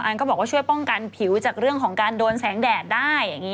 ก็บอกว่าช่วยป้องกันผิวจากเรื่องของการโดนแสงแดดได้อย่างนี้